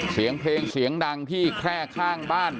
เสียงเพลงเสียงดังที่แคร่ข้างบ้าน